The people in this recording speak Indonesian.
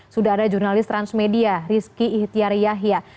sudah ada jurnalis transmedia rizky ihityariyahia